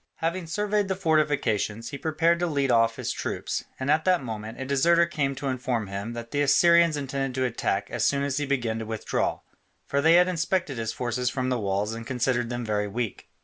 Having surveyed the fortifications, he prepared to lead off his troops, and at that moment a deserter came to inform him that the Assyrians intended to attack as soon as he began to withdraw, for they had inspected his forces from the walls and considered them very weak.